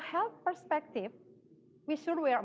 kita pergi ke slide berikutnya